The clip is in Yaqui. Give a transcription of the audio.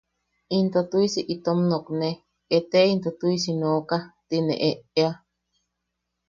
Into tuʼisi itom nookne... “ete into tuʼisi nooka” ti ne eʼea.